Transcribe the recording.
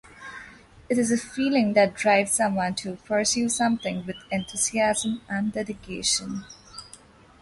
It is a feeling that drives someone to pursue something with enthusiasm and dedication.